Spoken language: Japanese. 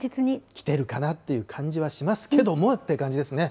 来てるかなっていう感じはしますけどもって感じですね。